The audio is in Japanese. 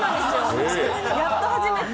やっと初めて。